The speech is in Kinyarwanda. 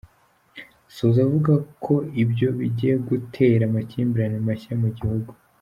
Asoza avuga ko ibyo bigiye gutera amakimbirane mashya mu gihugu.